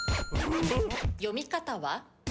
読み方は？